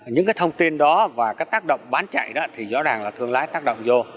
những cái thông tin đó và cái tác động bán chạy đó thì rõ ràng là thương lái tác động vô